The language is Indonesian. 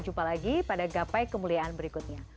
jumpa lagi pada gapai kemuliaan berikutnya